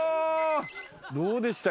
どうでした？